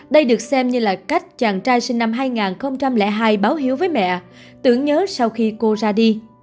đây được xem như là cách chàng trai sinh năm hai nghìn hai báo hiếu với mẹ tưởng nhớ sau khi cô ra đi